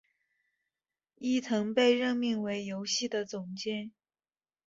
伊藤被任命为游戏的总监。